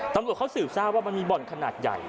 ตำรวจเขาสืบทราบว่ามันมีบ่อนขนาดใหญ่